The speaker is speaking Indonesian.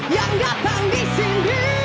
yang datang di sini